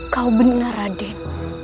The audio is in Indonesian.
kau benar raden